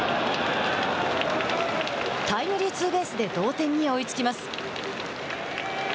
タイムリーツーベースで同点に追いつきます。